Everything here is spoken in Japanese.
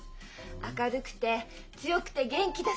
明るくて強くて元気だ。